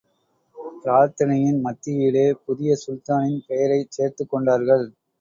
பிரார்த்தனையின் மத்தியிலே புதிய சுல்தானின் பெயரைச் சேர்த்துக் கொண்டார்கள்.